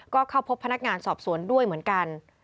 ก็เข้าพบพนักงานสอบสวนด้วยเหมือนกัน